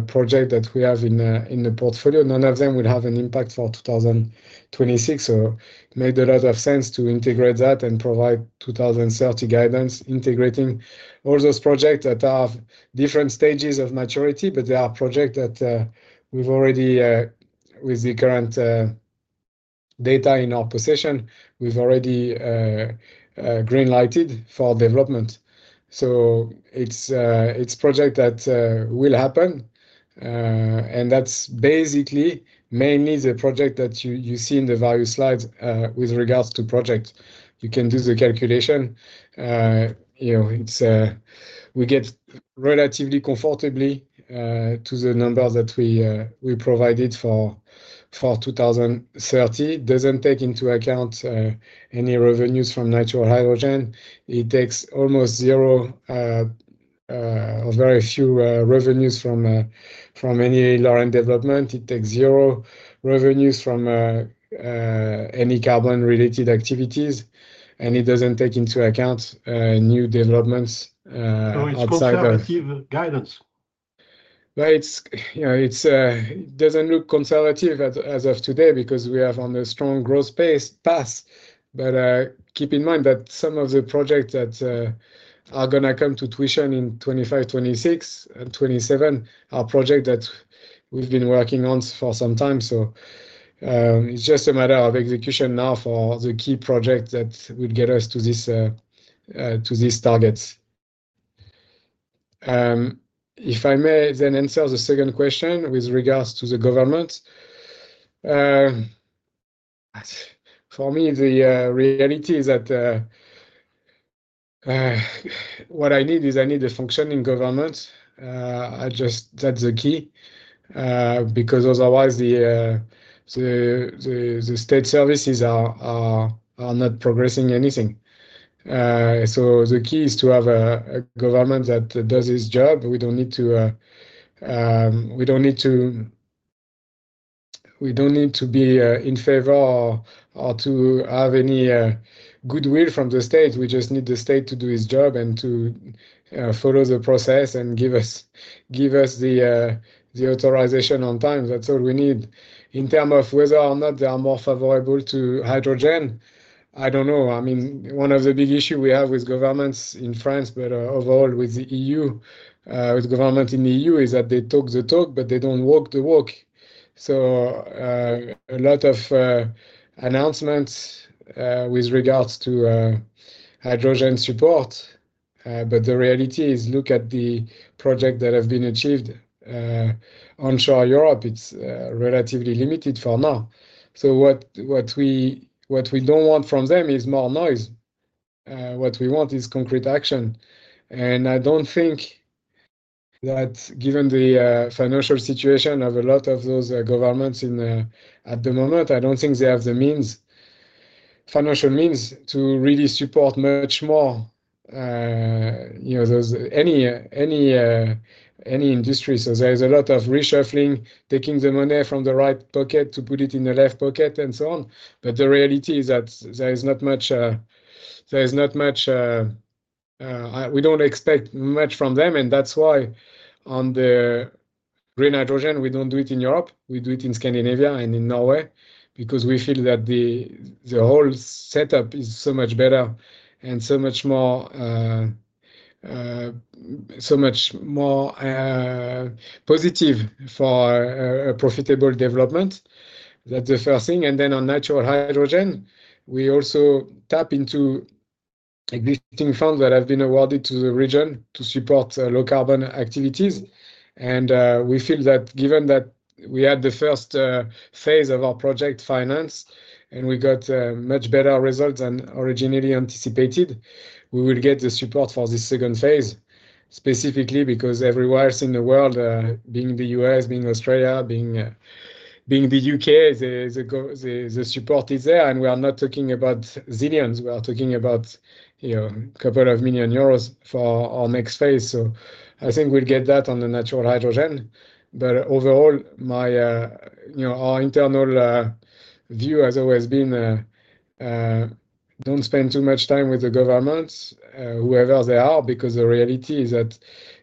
project that we have in the portfolio. None of them will have an impact for 2026, so made a lot of sense to integrate that and provide 2030 guidance, integrating all those projects that are different stages of maturity. But there are projects that we've already, with the current data in our possession, we've already green lighted for development. So it's project that will happen, and that's basically mainly the project that you see in the value slides. With regards to project, you can do the calculation. You know, it's we get relatively comfortably to the numbers that we provided for 2030. Doesn't take into account any revenues from natural hydrogen. It takes almost zero or very few revenues from any Lorraine development. It takes zero revenues from any carbon-related activities, and it doesn't take into account new developments outside of- So it's conservative guidance? It's, you know, it's, it doesn't look conservative as, as of today, because we have on a strong growth pace, path. But, keep in mind that some of the projects that, are gonna come to fruition in 2025, 2026 and 2027 are projects that we've been working on for some time. So, it's just a matter of execution now for the key projects that would get us to this, to these targets. If I may then answer the second question with regards to the government. For me, the reality is that, what I need is I need a functioning government. I just-- That's the key, because otherwise, the state services are not progressing anything. So the key is to have a government that does its job. We don't need to be in favor or to have any goodwill from the state. We just need the state to do its job and to follow the process and give us the authorization on time. That's all we need. In terms of whether or not they are more favorable to hydrogen, I don't know. I mean, one of the big issues we have with governments in France, but overall with the EU, with governments in the EU, is that they talk the talk, but they don't walk the walk. So, a lot of announcements with regards to hydrogen support, but the reality is, look at the projects that have been achieved. Onshore Europe, it's relatively limited for now. So what we don't want from them is more noise. What we want is concrete action, and I don't think that given the financial situation of a lot of those governments at the moment, I don't think they have the means, financial means to really support much more, you know, any industry. So there is a lot of reshuffling, taking the money from the right pocket to put it in the left pocket, and so on. But the reality is that there is not much we don't expect much from them, and that's why on the green hydrogen, we don't do it in Europe, we do it in Scandinavia and in Norway, because we feel that the whole setup is so much better and so much more positive for a profitable development. That's the first thing. And then on natural hydrogen, we also tap into existing funds that have been awarded to the region to support low carbon activities. And we feel that given that we had the first phase of our project financed and we got much better results than originally anticipated, we will get the support for this second phase. Specifically because everywhere else in the world, being the U.S., being Australia, being the U.K., the support is there. And we are not talking about zillions, we are talking about, you know, a couple of million EUR for our next phase. So I think we'll get that on the natural hydrogen. But overall, my, you know, our internal view has always been, don't spend too much time with the governments, whoever they are, because the reality is that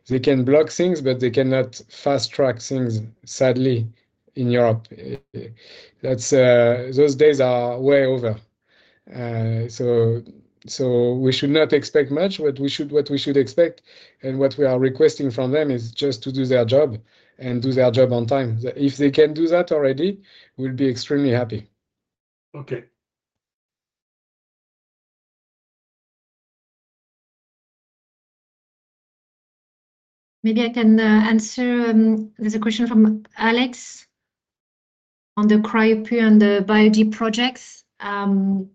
they can block things, but they cannot fast-track things, sadly, in Europe. That's those days are way over. So we should not expect much. What we should expect and what we are requesting from them is just to do their job and do their job on time. If they can do that already, we'll be extremely happy. Okay. Maybe I can answer. There's a question from Alex on the Cryo Pur and the Biogas projects. So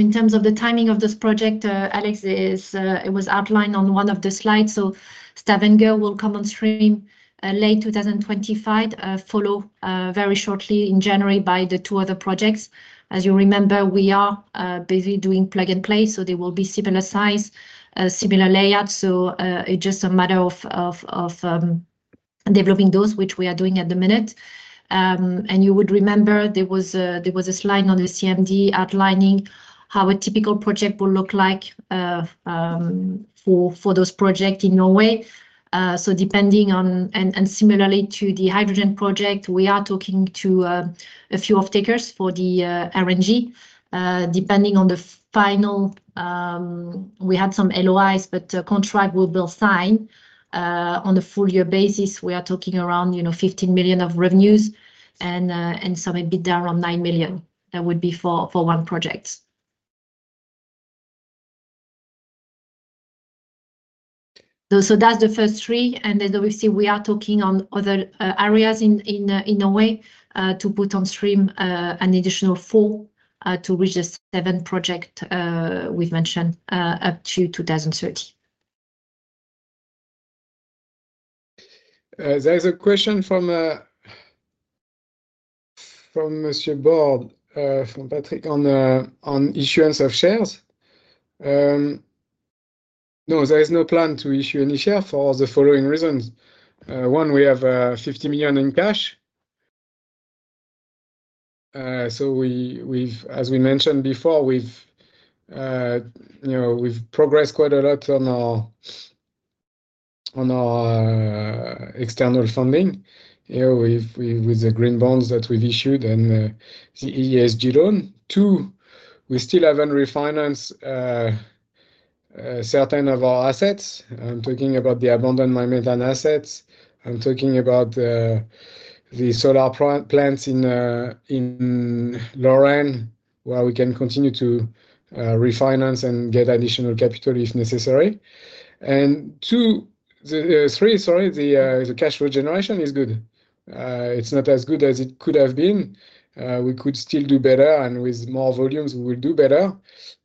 in terms of the timing of this project, Alex, it was outlined on one of the slides. Stavanger will come on stream late 2025. Follow very shortly in January by the two other projects. As you remember, we are busy doing plug and play, so they will be similar size, similar layout. So it's just a matter of developing those which we are doing at the minute. And you would remember there was a slide on the CMD outlining how a typical project will look like for those projects in Norway. So depending on and similarly to the hydrogen project, we are talking to a few offtakers for the RNG. Depending on the final, we had some LOIs, but contract will be signed. On a full year basis, we are talking around, you know, 15 million of revenues and so maybe around 9 million. That would be for one project. So that's the first 3. And then obviously, we are talking on other areas in Norway to put on stream an additional 4 to reach the 7 projects we've mentioned up to 2030. There's a question from Message Board, from Patrick, on issuance of shares. No, there is no plan to issue any share for the following reasons. One, we have 50 million in cash. So we've, as we mentioned before, we've, you know, we've progressed quite a lot on our external funding. You know, with the green bonds that we've issued and the ESG loan. Two, we still haven't refinanced certain of our assets. I'm talking about the abandoned mine methane assets. I'm talking about the solar plants in Lorraine, where we can continue to refinance and get additional capital if necessary. And two, the... Three, sorry. The cash flow generation is good. It's not as good as it could have been. We could still do better, and with more volumes, we will do better.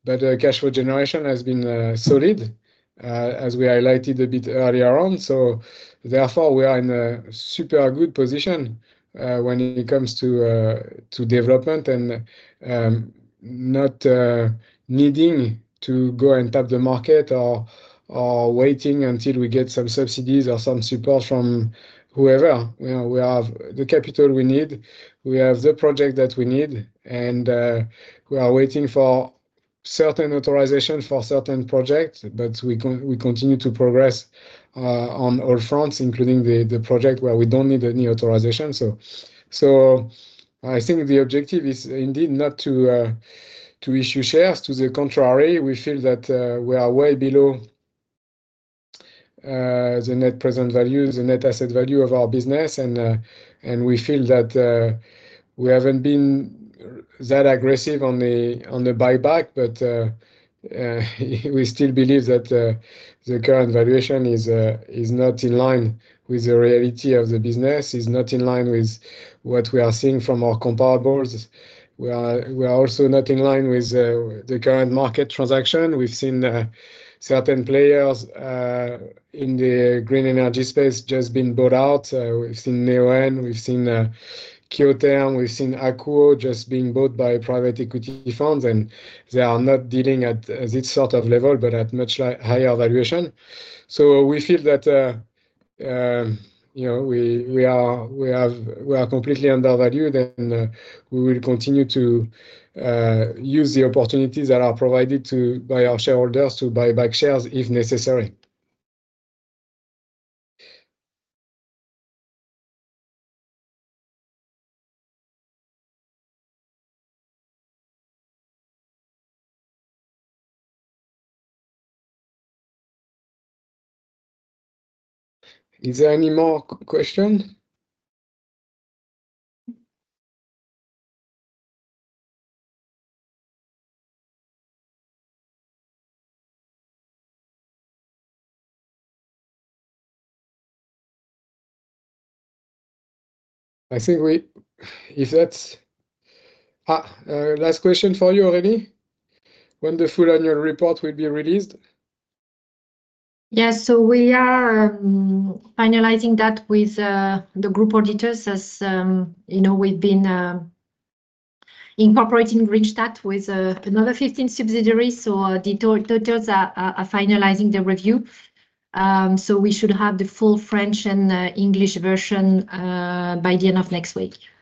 But cash flow generation has been solid, as we highlighted a bit earlier on. So therefore, we are in a super good position when it comes to development and not needing to go and tap the market or waiting until we get some subsidies or some support from whoever. You know, we have the capital we need, we have the project that we need, and we are waiting for certain authorization for certain projects. But we continue to progress on all fronts, including the project where we don't need any authorization. So I think the objective is indeed not to issue shares. To the contrary, we feel that we are way below the net present value, the net asset value of our business, and we feel that we haven't been that aggressive on the buyback. But we still believe that the current valuation is not in line with the reality of the business, is not in line with what we are seeing from our comparables. We are also not in line with the current market transaction. We've seen certain players in the green energy space just being bought out. We've seen Neoen, we've seen Ciotat, we've seen Akuo just being bought by private equity funds, and they are not dealing at this sort of level, but at much higher valuation. So we feel that, you know, we are completely undervalued, and we will continue to use the opportunities that are provided to, by our shareholders to buy back shares if necessary. Is there any more question? I think we-- If that's... last question for you, Aurélie. When the full annual report will be released? Yes. So we are finalizing that with the group auditors. As you know, we've been incorporating Ringstad with another 15 subsidiaries, so the auditors are finalizing the review. So we should have the full French and English version by the end of next week.